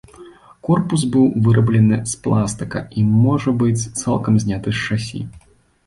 Корпус быў выраблены з пластыка і можа быць цалкам зняты з шасі.